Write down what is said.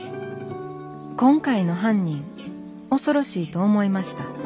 「今回の犯人恐ろしいと思いました。